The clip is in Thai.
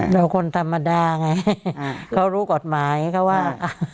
เราคนธรรมดาไงเขารู้กฎหมายเขาว่า